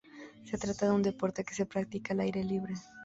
Se trata de un deporte que se practica al aire libre.